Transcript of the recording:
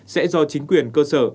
sẽ do chính quyền cơ sở